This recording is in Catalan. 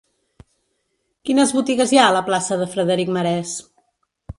Quines botigues hi ha a la plaça de Frederic Marès?